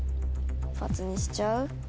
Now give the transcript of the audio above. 「×」にしちゃう？